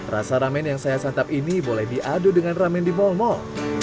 rasa ramen yang saya santap ini boleh diadu dengan ramen di mal mal